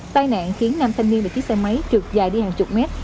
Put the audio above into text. tai nạn khiến nam thanh niên và chiếc xe máy trượt dài đi hàng chục mét